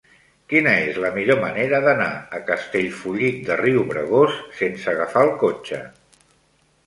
Quina és la millor manera d'anar a Castellfollit de Riubregós sense agafar el cotxe?